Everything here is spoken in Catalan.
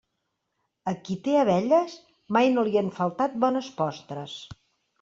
A qui té abelles mai no li han faltat bones postres.